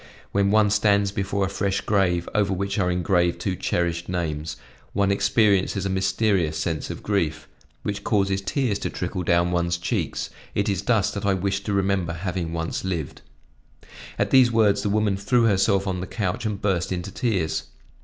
When one stands before a fresh grave, over which are engraved two cherished names, one experiences a mysterious sense of grief, which causes tears to trickle down one's cheeks; it is thus that I wish to remember having once lived." At these words the woman threw herself on the couch and burst into tears.